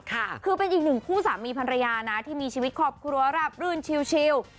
คือเป็นอีกหนึ่งคู่สามีภรรยานะที่มีชีวิตครอบครัวราบรื่นชิว